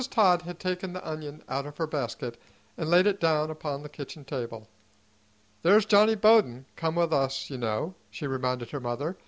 TODD HAD taken the onion out of her basket and laid it down upon the kitchen table. "There's Johnny Bowden come with us, you know," she reminded her mother.